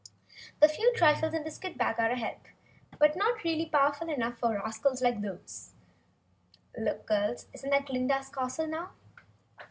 The few trifles in this kit bag are a help, but not nearly powerful enough for rascals like those. Look, girls, isn't that Glinda's castle now?"